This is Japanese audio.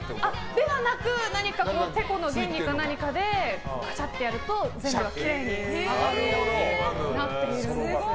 ではなく何か、てこの原理か何かでカチャッとやると全部がきれいに上がるようになってるんです。